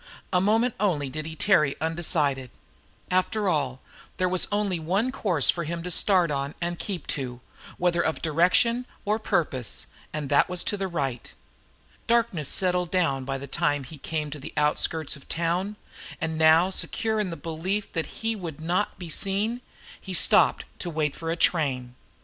A moment only did he tarry undecided; after all, there was only one course for him to start on and keep to, whether of direction or purpose, and that was to the right. Darkness had settled down by the time he came to the outskirts of the town, and now secure in the belief that he would not be seen, he stopped to wait for a train.